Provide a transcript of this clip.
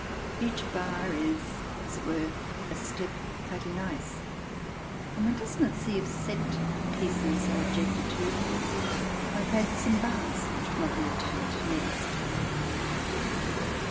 Each bar is, as it were, a step cut in ice and one does not see, if set pieces are objected to, why phrases and bars should not be attacked next.